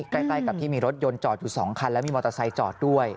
ใกล้กับที่มีรถยนต์จอดอยู่๒คันแล้วมีมอเตอร์ไซค์จอดด้วย